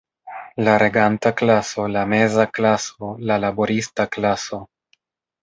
La reganta klaso, la meza klaso, la laborista klaso.